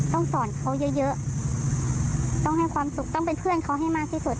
ต้องสอนเขาเยอะต้องให้ความสุขต้องเป็นเพื่อนเขาให้มากที่สุด